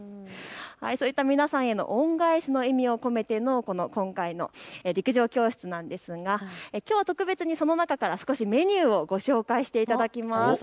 そういった皆さんへの恩返しの意味を込めての今回の陸上教室なんですがきょうは特別にその中から少しメニューをご紹介していただきます。